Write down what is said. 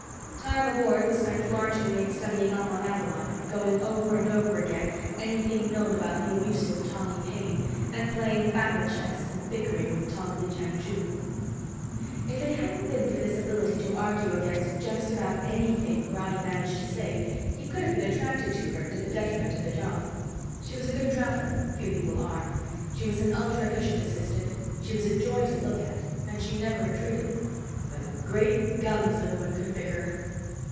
Time aboard was spent largely in studying up on Avalon, going over and over again anything known about the elusive Tommy Paine, and playing Battle Chess and bickering with Tog Lee Chang Chu. If it hadn't been for this ability to argue against just about anything Ronny managed to say, he could have been attracted to her to the detriment of the job. She was a good traveler, few people are; she was an ultra efficient assistant; she was a joy to look at; and she never intruded. But, Great Guns, the woman could bicker.